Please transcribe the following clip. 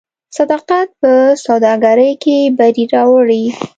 صداقت په سوداګرۍ کې بری راوړي.